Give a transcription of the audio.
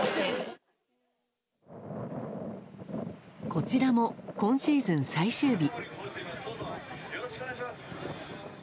こちらも今シーズン最終日。